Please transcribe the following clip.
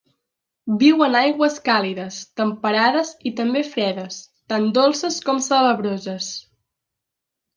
Viu en aigües càlides, temperades i també fredes, tant dolces com salabroses.